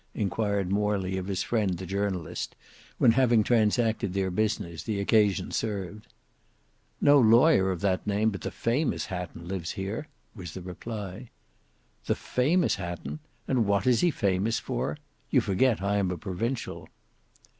inquired Morley of his friend the journalist, when, having transacted their business, the occasion served. "No lawyer of that name; but the famous Hatton lives here," was the reply. "The famous Hatton! And what is he famous for? You forget I am a provincial."